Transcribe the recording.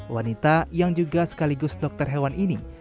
wanita yang juga sekaligus dokter hewan ini